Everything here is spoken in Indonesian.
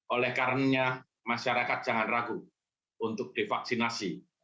oleh karena masyarakat jangan ragu untuk divaksinasi